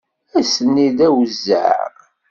Ass-nni d awezzeɛ.